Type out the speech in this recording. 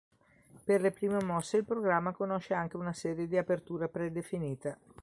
Per le prime mosse il programma conosce anche una serie di aperture predefinite.